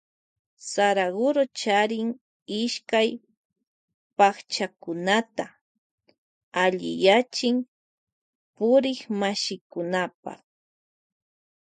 Saraguro charin ishkay pakchakunata alliyachin purikmashikunapa.